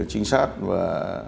trinh sát và